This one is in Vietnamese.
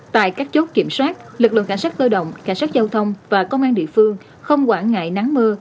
tại các chốt kiểm soát lực lượng cảnh sát cơ động cảnh sát giao thông và công an địa phương không quản ngại nắng mưa